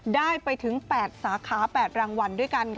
ได้ไปถึง๘สาขา๘รางวัล